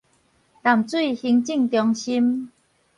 淡水行政中心